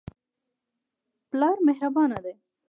پلار مهربانه دی.